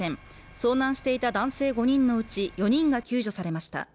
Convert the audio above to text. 遭難していた男性５人のうち４人がり救助されました。